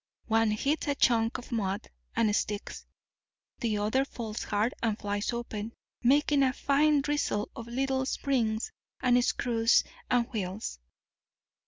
One hits a chunk of mud and sticks. The other falls hard and flies open, making a fine drizzle of little springs and screws and wheels.